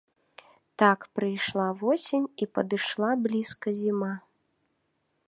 Так прыйшла восень і падышла блізка зіма.